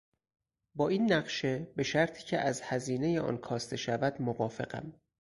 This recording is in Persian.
با این نقشه به شرطی که از هزینهی آن کاسته شود، موافقم.